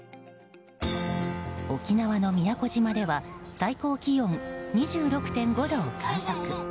沖縄の宮古島では最高気温２６．５度を観測。